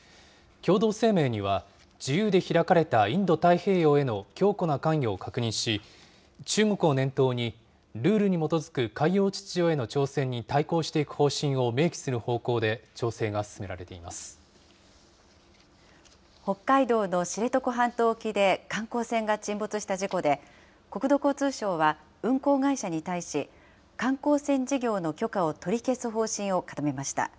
共同声明には、自由で開かれたインド太平洋への強固な関与を確認し、中国を念頭に、ルールに基づく海洋秩序への挑戦に対抗していく方針を明記する方北海道の知床半島沖で、観光船が沈没した事故で、国土交通省は運航会社に対し、観光船事業の許可を取り消す方針を固めました。